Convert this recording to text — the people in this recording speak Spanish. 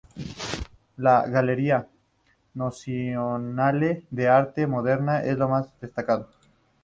La "Galleria Nazionale d'Arte Moderna" es el más destacado.